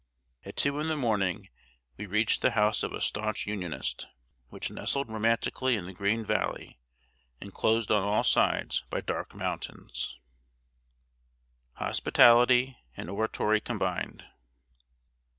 At two in the morning we reached the house of a stanch Unionist, which nestled romantically in the green valley, inclosed on all sides by dark mountains. [Sidenote: HOSPITALITY AND ORATORY COMBINED.